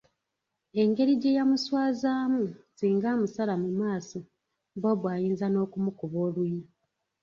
Engeri gye yamuswazaamu singa amusala mu maaso Bob ayinza n’okumukuba oluyi.